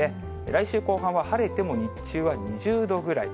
来週後半は晴れても日中は２０度ぐらい。